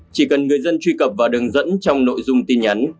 chỉ cần người dân truy cập vào đường dẫn trong nội dung tin nhắn